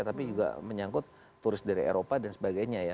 tapi juga menyangkut turis dari eropa dan sebagainya ya